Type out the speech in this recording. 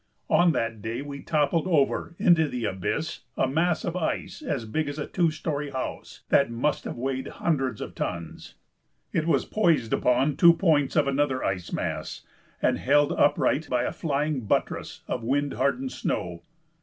On that day we toppled over into the abyss a mass of ice, as big as a two story house, that must have weighed hundreds of tons. It was poised upon two points of another ice mass and held upright by a flying buttress of wind hardened snow.